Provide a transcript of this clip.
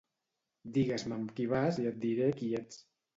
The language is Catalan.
Digues-me amb qui vas i et diré qui ets